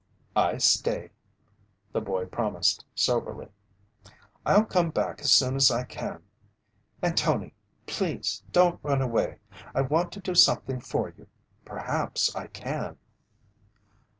"I stay," the boy promised soberly. "I'll come back as soon as I can. And Tony! Please don't run away. I want to do something for you perhaps I can."